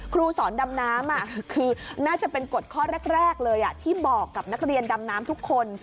ครูสอนดำน้ำคือน่าจะเป็นกฎข้อแรกเลยที่บอกกับนักเรียนดำน้ำทุกคน